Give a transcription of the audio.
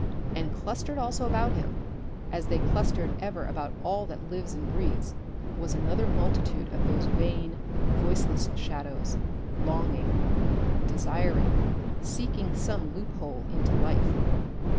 And clustering also about him, as they clustered ever about all that lives and breathes, was another multitude of these vain voiceless shadows, longing, desiring, seeking some loophole into life.